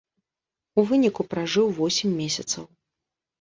У выніку пражыў восем месяцаў.